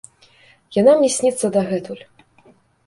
Яна мне сніцца дагэтуль.